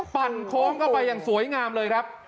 ปั่นคล้องเข้าไปอย่างสวยงามเลยครับ